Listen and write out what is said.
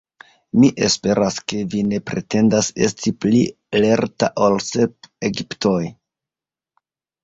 Mi esperas, ke vi ne pretendas esti pli lerta ol sep Egiptoj!